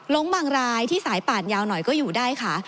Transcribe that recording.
้งบางรายที่สายป่านยาวหน่อยก็อยู่ได้ค่ะ